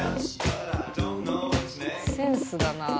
センスだなあ。